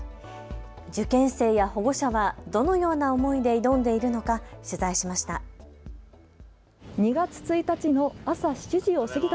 受験生や保護者はどのような思いで挑んでいるのか取材しました。